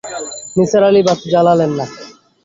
নিসার আলি বাতি জ্বালালেন না।